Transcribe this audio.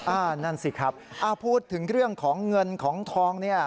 นั่นสิครับพูดถึงเรื่องของเงินของทองเนี่ย